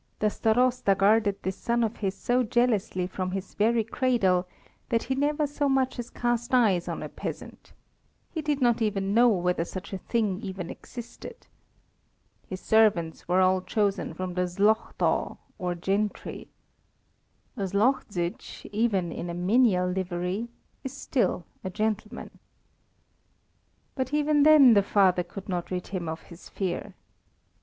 The Starosta guarded this son of his so jealously from his very cradle that he never so much as cast eyes on a peasant. He did not even know whether such a thing even existed. His servants were all chosen from the Szlachta, or gentry. A Szlachzić, even in a menial livery, is still a gentleman. But even then the father could not rid him of his fear.